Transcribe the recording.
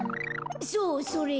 そうそれ。